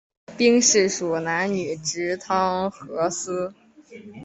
兵事属南女直汤河司。